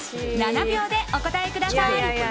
７秒でお答えください。